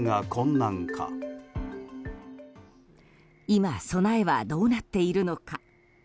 今、備えはどうなっているのか。